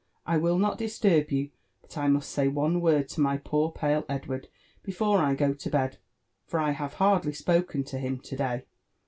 I will not disturb you ; but I must say one word to my poor pale Edward before I go to bed, for I have hardly spoken to him to day.